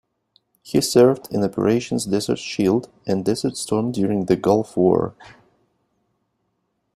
He served in Operations Desert Shield and Desert Storm during the Gulf War.